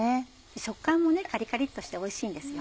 食感もカリカリっとしておいしいんですよ。